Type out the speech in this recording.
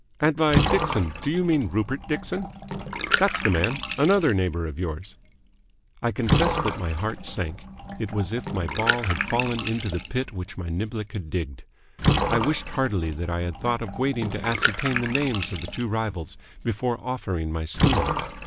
"And by Dixon do you mean Rupert Dixon?" "That's the man. Another neighbour of yours." I confess that my heart sank. It was as if my ball had fallen into the pit which my niblick had digged. I wished heartily that I had thought of waiting to ascertain the names of the two rivals before offering my scheme.